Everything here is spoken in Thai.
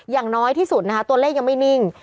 อย่างน้อยที่สุดนะคะตัวเลขยังไม่นิ่ง